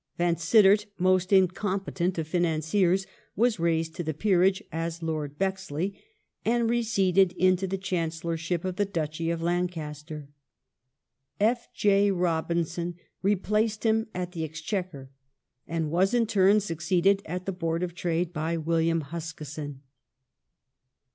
Vansittart, most incompetent of financiers, was raised to the peerage as Lord Bexley, and receded into the Chancellorship of the Duchy of Lancaster; F. J. Robinson replaced him at the Exchequer and was in turn succeeded at the Board of Trade by William Huskisson.